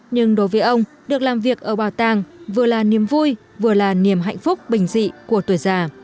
nhưng đối với ông được làm việc ở bảo tàng vừa là niềm vui vừa là niềm hạnh phúc bình dị của tuổi già